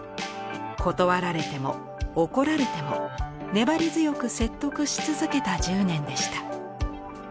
断られても怒られても粘り強く説得し続けた１０年でした。